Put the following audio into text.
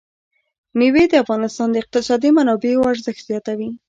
مېوې د افغانستان د اقتصادي منابعو ارزښت زیاتوي.